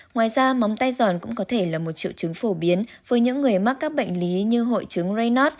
ngoài ra móng tay giòn cũng có thể là một triệu chứng phổ biến với những người mắc các bệnh lý như hội chứng rynot